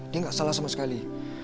dia nggak salah sama sekali